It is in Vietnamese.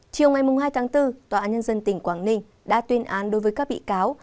chiều ngày hai tháng bốn tòa án nhân dân tỉnh quảng ninh đã tuyên án đối với các bị cáo